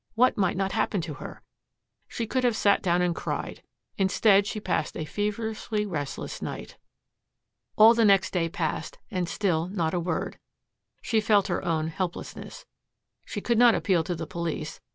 What might not happen to her! She could have sat down and cried. Instead she passed a feverishly restless night. All the next day passed, and still not a word. She felt her own helplessness. She could not appeal to the police.